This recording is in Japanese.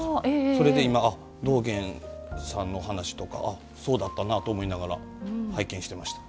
それで、今、道元さんの話とかそうだったなと思いながら拝見してました。